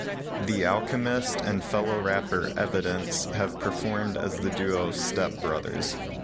The Alchemist and fellow rapper Evidence have performed as the duo Step Brothers.